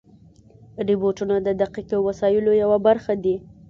روبوټونه د دقیقو وسایلو یوه برخه دي.